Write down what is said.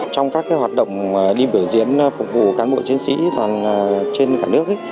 trong các hoạt động đi biểu diễn phục vụ cán bộ chiến sĩ trên cả nước